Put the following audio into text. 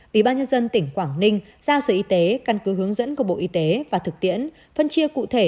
ủy ban nhân dân tỉnh quảng ninh giao sở y tế căn cứ hướng dẫn của bộ y tế và thực tiễn phân chia cụ thể